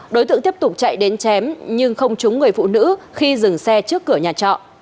đối tượng tiếp tục chạy đến chém nhưng không trúng người phụ nữ khi dừng xe trước cửa nhà trọ